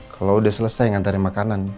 kalau udah selesai ngantarin makanan